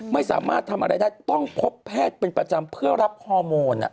ไม่สามารถทำอะไรได้ต้องพบแพทย์เป็นประจำเพื่อรับฮอร์โมน